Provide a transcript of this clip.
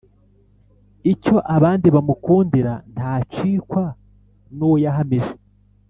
icyo abandi bamukundira ntacikwa n'uwo yahamije.